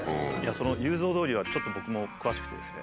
その「雄三通り」はちょっと僕も詳しくてですね。